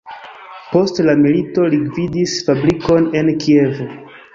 Post la milito li gvidis fabrikon en Kievo.